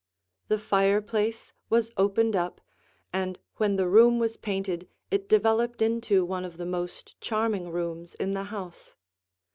The fireplace was opened up, and when the room was painted it developed into one of the most charming rooms in the house.